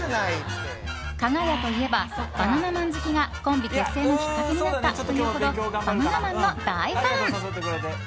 かが屋といえばバナナマン好きがコンビ結成のきっかけになったというほどバナナマンの大ファン。